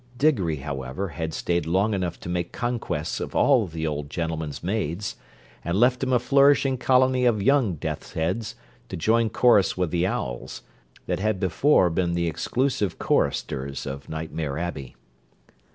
Diggory, however, had staid long enough to make conquests of all the old gentleman's maids, and left him a flourishing colony of young Deathsheads to join chorus with the owls, that had before been the exclusive choristers of Nightmare Abbey.